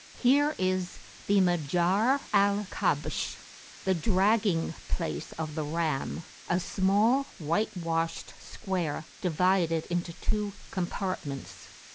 Here is the Majarr al Kabsh, the Dragging place of the Ram, a small, whitewashed square, divided [p.220] into two compartments.